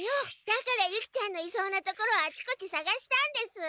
だからユキちゃんのいそうな所をあちこちさがしたんです。